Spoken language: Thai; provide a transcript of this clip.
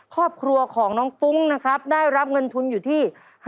ครอบครัวของน้องฟุ้งนะครับได้รับเงินทุนอยู่ที่